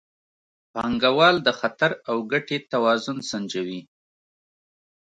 پانګوال د خطر او ګټې توازن سنجوي.